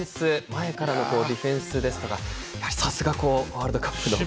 前からのディフェンスですとかさすがワールドカップの戦い。